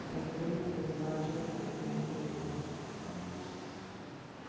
The crater is larger than the Grand Canyon.